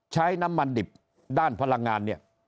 ใช้น้ำมันดิบด้านพลังงานเนี่ย